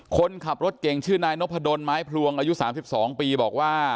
คนขับรถเก่งชื่อนายนพะดนไม้พลวงอายุสามสิบสองปีบอกว่า